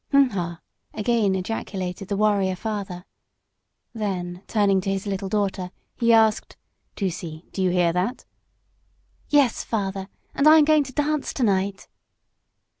"Hunha!" again ejaculated the warrior father. Then turning to his little daughter, he asked, "Tusee, do you hear that?" "Yes, father, and I am going to dance tonight!"